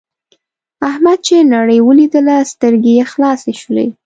احمد چې نړۍ ولیدله سترګې یې خلاصې شولې.